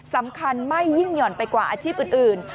สำคัญไม่ยิ่งหย่อนไปกว่าอาชีพอื่น